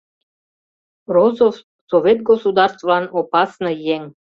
Розов — совет государствылан опасный еҥ.